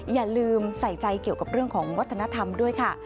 อย่าลืมใส่ใจเกี่ยวกับเรื่องของวัฒนธรรมด้วยค่ะ